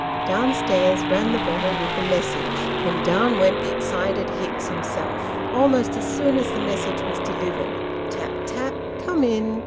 Down stairs ran the boy with the message, and down went the excited Hicks himself, almost as soon as the message was delivered. " Tap, tap." " Come in."